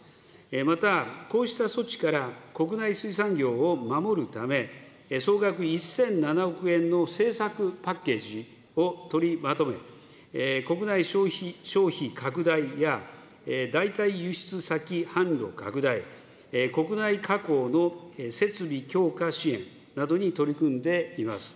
またこうした措置から、国内水産業を守るため、総額１００７億円の政策パッケージを取りまとめ、国内消費拡大や、代替輸出先販路拡大、国内加工の設備強化支援などに取り組んでいます。